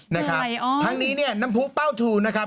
นะคะทั้งนี้น้ำพูเป้าถูนะครับ